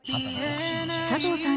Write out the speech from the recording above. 佐藤さん